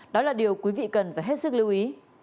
đó là điều quý vị cần phải hết sức lưu ý